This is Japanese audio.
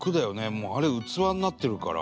もうあれ器になってるから。